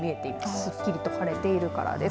すっきり晴れているからです。